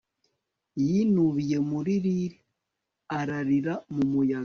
Yinubiye muri lyre ararira mu muyaga